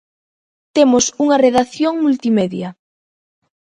Temos unha redacción multimedia.